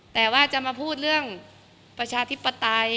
แต่ว่าจะมาพูดเรื่องประชาธิปไตย